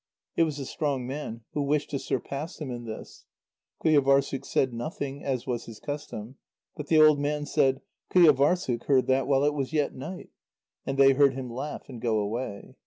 It was the strong man, who wished to surpass him in this. Qujâvârssuk said nothing, as was his custom, but the old man said: "Qujâvârssuk heard that while it was yet night." And they heard him laugh and go away.